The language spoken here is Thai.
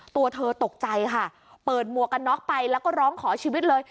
ตัวเธอตกใจค่ะเปิดหมวกกันน็อกไปแล้วก็ร้องขอชีวิตเลย